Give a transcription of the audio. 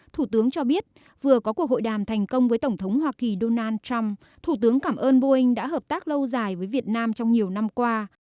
thủ tướng cho biết vừa có cuộc hội đàm thành công với tổng thống hoa kỳ donald trump thủ tướng cảm ơn boeing đã hợp tác lâu dài với việt nam trong nhiều năm qua